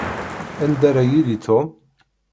Anda ara yili Tom?